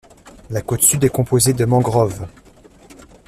La côte sud est composée de mangroves.